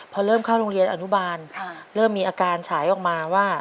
พอเริ่มเข้าโรงเรียนอนุบาลเริ่มมีอาการฉายออกมาว่า